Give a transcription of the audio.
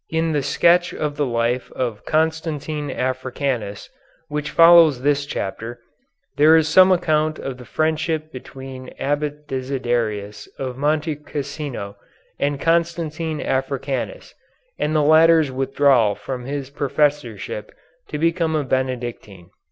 In the sketch of the life of Constantine Africanus, which follows this chapter, there is some account of the friendship between Abbot Desiderius of Monte Cassino and Constantine Africanus, and the latter's withdrawal from his professorship to become a Benedictine.